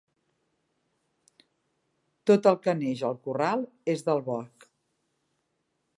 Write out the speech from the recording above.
Tot el que neix al corral és del boc.